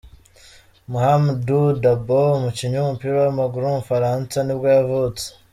Mouhamadou Dabo, umukinnyi w’umupira w’amaguru w’umufaransa nibwo yavutse.